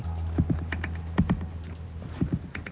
bita paling heran sekali